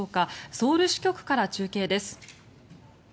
ソウル支局から中継です。